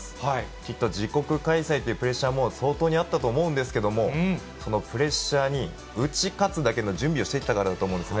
きっと自国開催というプレッシャーも相当にあったと思うんですけれども、そのプレッシャーに打ち勝つだけの準備をしてきただろうと思うんですね。